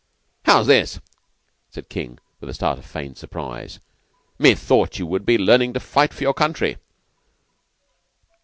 "How's this?" said King with a start of feigned surprise. "Methought you would be learning to fight for your country."